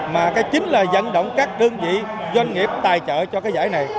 mà cái chính là dẫn động các đơn vị doanh nghiệp tài trợ cho cái giải này